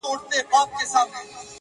خو ستا د زلفو له هر تار سره خبرې کوي,